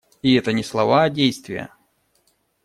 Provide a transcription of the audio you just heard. И это не слова, а действия.